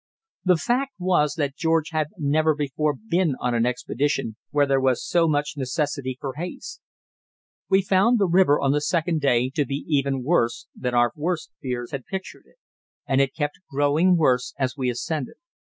The fact was that George had never before been on an expedition where there was so much necessity for haste. We found the river on the second day to be even worse than our worst fears had pictured it, and it kept growing worse as we ascended.